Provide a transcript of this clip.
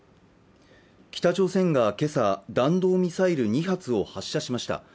北朝鮮が今朝弾道ミサイル２発を発射しました